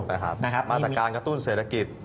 มาตรการกระตุ้นเศรษฐกิจ